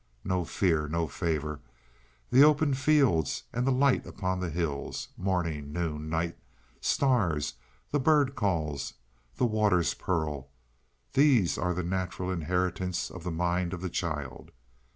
No fear and no favor; the open fields and the light upon the hills; morning, noon, night; stars, the bird calls, the water's purl—these are the natural inheritance of the mind of the child.